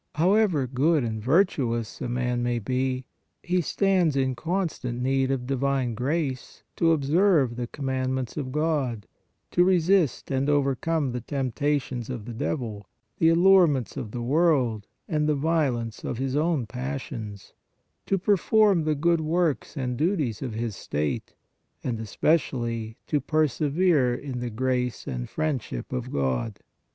However good and virtuous a man may be, he stands in constant need of divine grace to observe the commandments of God, to re sist and overcome the temptations of the devil, the allurements of the world and the violence of his own passions, to perform the good works and duties of his state, and especially to persevere in the grace and friendship of God.